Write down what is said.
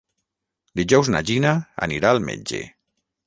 Dijous na Gina anirà al metge.